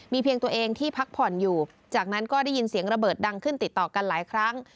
เพียงตัวเองที่พักผ่อนอยู่จากนั้นก็ได้ยินเสียงระเบิดดังขึ้นติดต่อกันหลายครั้ง